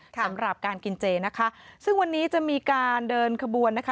สำหรับการกินเจนะคะซึ่งวันนี้จะมีการเดินขบวนนะคะ